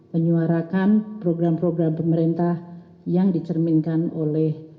menyuarakan program program pemerintah yang dicerminkan oleh